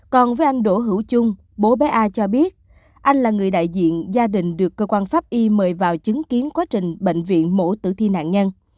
còn với anh đỗ hữu trung bố bé a cho biết anh là người đại diện gia đình được cơ quan pháp y mời vào chứng kiến quá trình bệnh viện mổ tử thi nạn nhân